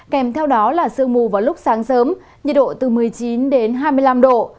kèm theo đó là sương mù vào lúc sáng sớm nhiệt độ từ một mươi chín đến hai mươi năm độ